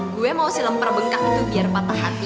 gue mau si lempar bengkak itu biar patah hati